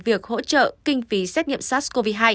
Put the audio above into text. việc hỗ trợ kinh phí xét nghiệm sars cov hai